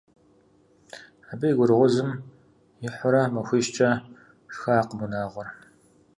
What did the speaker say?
Абы и гурыгъузым ихьурэ, махуищкӀэ шхакъым унагъуэр.